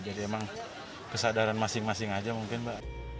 jadi emang kesadaran masing masing aja mungkin mbak